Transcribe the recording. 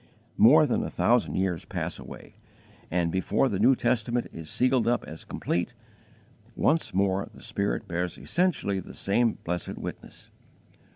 More than a thousand years pass away, and, before the New Testament is sealed up as complete, once more the Spirit bears essentially the same blessed witness.